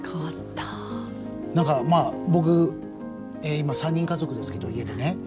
何か僕今３人家族ですけど家でね。